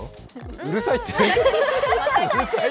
うるさいって？